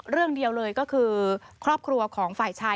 เรื่องเดียวเลยก็คือครอบครัวของฝ่ายชาย